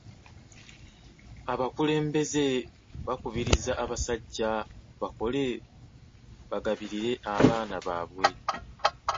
Abakulembeze bakubiriza abasajjaa bakole bagabirire abaana baabwe.